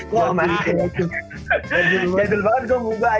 gua amarin dia aja